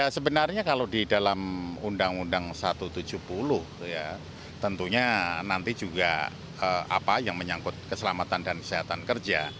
sebenarnya kalau di dalam undang undang satu ratus tujuh puluh ya tentunya nanti juga apa yang menyangkut keselamatan dan kesehatan kerja